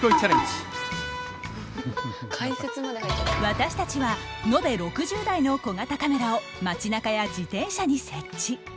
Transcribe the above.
私たちは延べ６０台の小型カメラを街なかや自転車に設置。